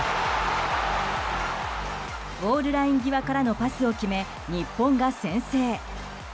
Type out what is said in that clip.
ゴールライン際からのパスを決め日本が先制。